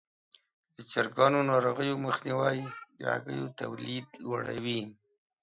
د چرګانو ناروغیو مخنیوی د هګیو تولید لوړوي.